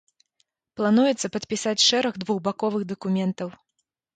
Плануецца падпісаць шэраг двухбаковых дакументаў.